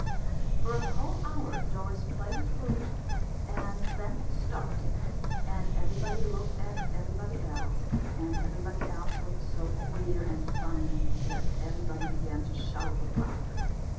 For a whole hour Doris played her flute, and then it stopped, and everybody looked at everybody else; and everybody else looked so queer and funny that everybody began to shout with laughter.